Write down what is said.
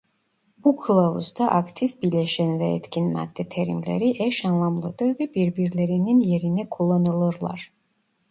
Bu Kılavuzda "aktif bileşen" ve "etkin madde" terimleri eş anlamlıdır ve birbirlerinin yerine kullanılırlar.